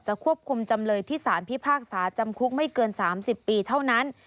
ควบคุมจำเลยที่สารพิพากษาจำคุกไม่เกิน๓๐ปีเท่านั้น